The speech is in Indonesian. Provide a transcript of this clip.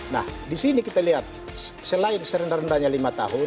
nah di sini kita lihat selain serendah rendahnya lima tahun